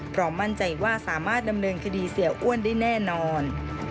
มั่นใจว่าสามารถดำเนินคดีเสียอ้วนได้แน่นอน